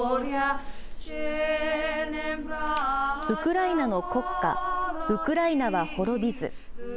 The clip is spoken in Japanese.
ウクライナの国歌、ウクライナは滅びず。